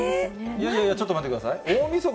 いやいやいや、ちょっと待ってください。